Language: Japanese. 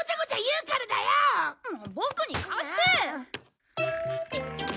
うん？